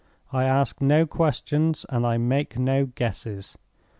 I ask no questions, and I make no guesses.